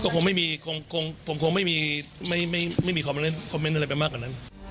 ผมคงไม่มีคอมเมนต์เหล่ะกว่าแบบนั้น